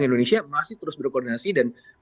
indonesia masih terus berkoordinasi dan